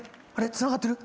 つながってる？